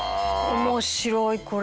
面白いこれ。